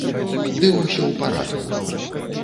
Ды ўсё ў парадку!